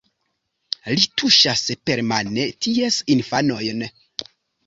Li tuŝas permane ties infanojn.